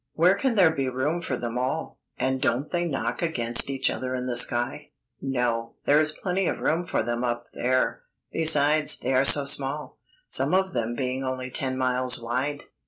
"Where can there be room for them all, and don't they knock against each other in the sky?" "No, there is plenty of room for them up there. Besides, they are so small, some of them being only ten miles wide."